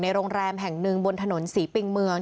โรงแรมแห่งหนึ่งบนถนนศรีปิงเมือง